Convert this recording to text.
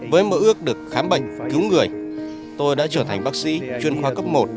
với mơ ước được khám bệnh cứu người tôi đã trở thành bác sĩ chuyên khoa cấp một